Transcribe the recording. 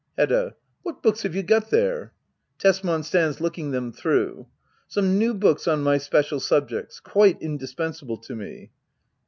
Hedda. What books have you got there ? Tesman. [Stands looking them through,] Some new books on my special subjects— quite indispensable to me.